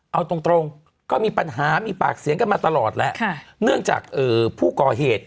เอาตรงตรงก็มีปัญหามีปากเสียงกันมาตลอดแหละเนื่องจากผู้ก่อเหตุ